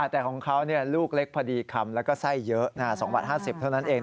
แต่ของเขาลูกเล็กพอดีคำแล้วก็ไส้เยอะ๒บาท๕๐เท่านั้นเอง